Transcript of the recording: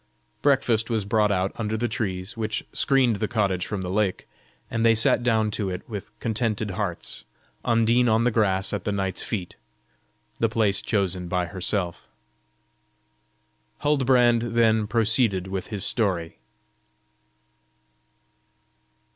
Breakfast was brought out under the trees which screened the cottage from the lake, and they sat down to it with contented hearts Undine on the grass at the knight's feet, the place chosen by herself. Huldbrand then proceeded with his story.